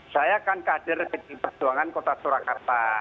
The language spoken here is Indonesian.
saya kan kader pdi perjuangan kota surakarta